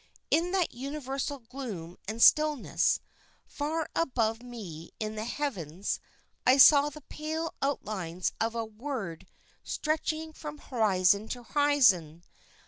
In that universal gloom and stillness, far above me in the heavens I saw the pale outlines of a word stretching from horizon to horizon.